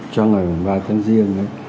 cho ngày giảm tháng riêng